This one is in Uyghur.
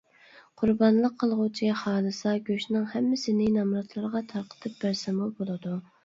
قۇربانلىق قىلغۇچى خالىسا، گۆشنىڭ ھەممىسىنى نامراتلارغا تارقىتىپ بەرسىمۇ بولىدۇ.